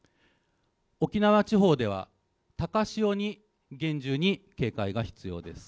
沖縄地方では高潮に厳重に警戒が必要です。